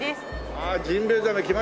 ああジンベエザメ来ました。